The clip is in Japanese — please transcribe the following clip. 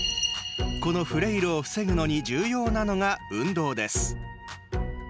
このフレイルを防ぐのに重要なのが運動です。